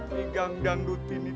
di gang dangdut ini